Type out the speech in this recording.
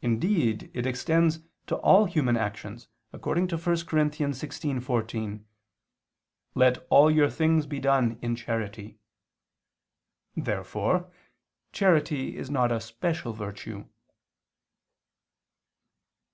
indeed it extends to all human actions, according to 1 Cor. 16:14: "Let all your things be done in charity." Therefore charity is not a special virtue.